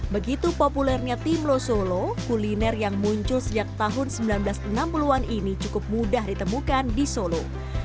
begitu populernya timlo solo kuliner yang muncul sejak tahun seribu sembilan ratus enam puluh an ini cukup mudah ditemukan di solo